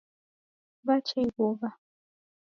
Wwacha ighuwa